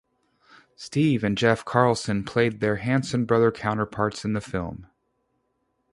Steve and Jeff Carlson played their Hanson brother counterparts in the film.